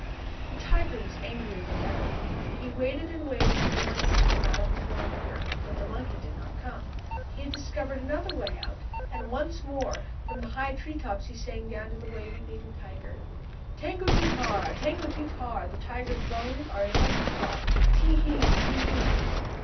_" The tiger was angrier than ever. He waited and waited for the monkey to come out of the hole in the ground but the monkey did not come. He had discovered another way out and once more from the high tree tops he sang down to the waiting tiger: "_Tango ti tar, tango ti tar, The tiger's bones are in my guitar. Tee hee, Tee hee.